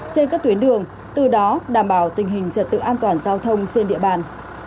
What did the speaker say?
trên các tuyến đường từ đó đảm bảo tình hình trật tự an toàn giao thông trên địa bàn